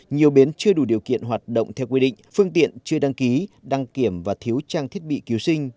nhiều bến chưa đủ điều kiện hoạt động theo quy định phương tiện chưa đăng ký đăng kiểm và thiếu trang thiết bị cứu sinh